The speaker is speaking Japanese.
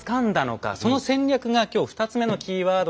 その戦略が今日２つ目のキーワード。